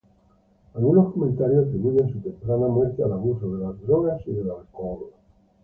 Algunos comentarios atribuyen su temprana muerte al abuso de las drogas y del alcohol.